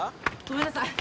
ごめんなさい。